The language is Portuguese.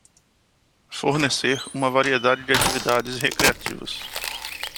Fornecer uma variedade de atividades recreativas